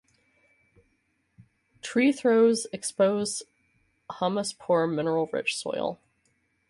Tree throws expose humus-poor, mineral-rich soil.